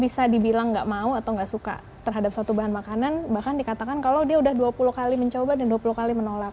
bisa dibilang nggak mau atau nggak suka terhadap suatu bahan makanan bahkan dikatakan kalau dia udah dua puluh kali mencoba dan dua puluh kali menolak